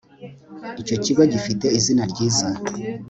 Icyo kigo gifite izina ryiza